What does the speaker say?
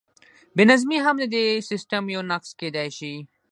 بې نظمي هم د دې سیسټم یو نقص کیدی شي.